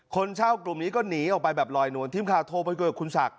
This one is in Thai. คนเช่ากลุ่มนี้ก็หนีออกไปแบบลอยนวลทีมข่าวโทรไปคุยกับคุณศักดิ